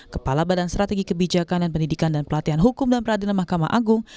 kepala badan strategi kebijakan dan pendidikan dan pelatihan hukum dan peradilan mahkamah agung